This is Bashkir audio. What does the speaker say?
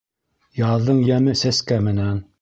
Яҙҙың йәме сәскә менән